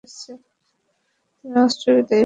তুমি অস্ত্রবিদ্যায় উঁহাকে সন্তুষ্ট করিতে পার নাই?